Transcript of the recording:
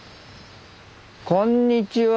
こんにちは。